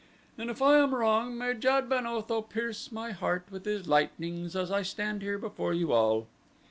"And if I am wrong may Jad ben Otho pierce my heart with his lightnings as I stand here before you all."